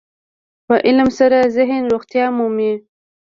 په علم سره ذهن روغتیا مومي.